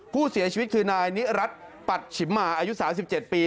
ผู้เสียชีวิตคือนายนิรัจปัจฉิบหม่าอายุสามสิบเจ็ดปี